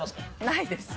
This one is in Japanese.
ないです。